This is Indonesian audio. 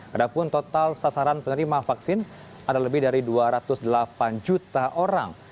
adapun total sasaran penerima vaksin ada lebih dari dua ratus delapan juta orang